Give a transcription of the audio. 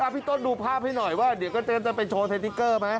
พี่ต้นดูภาพให้หน่อยว่าเดี๋ยวก็เตรียมจะไปโชว์สติ๊กเกอร์ไหม